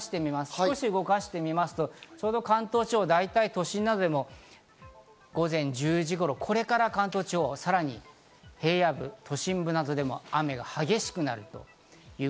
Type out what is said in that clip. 少し動かしてみますと関東地方、大体都心などでも午前１０時頃、これから関東地方はさらに平野部、都心部などでも雨が激しくなる。